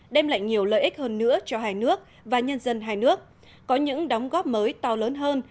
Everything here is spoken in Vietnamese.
đem lại nhiều lợi ích hơn nữa cho hai nước và nhân dân hai nước có những đóng góp mới to lớn hơn